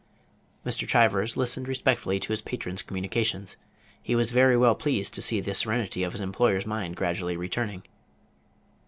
Mr. Chivers listened respectfully to his patron's communications. He was very well pleased to see the serenity of his employer's mind gradually returning.